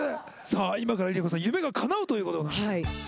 さあ今からＬｉＬｉＣｏさん夢がかなうということで。